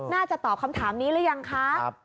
ตอบคำถามนี้หรือยังคะ